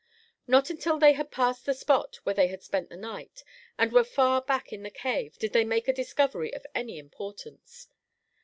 Not until they had passed the spot where they had spent the night, and were far back in the cave, did they make a discovery of any importance.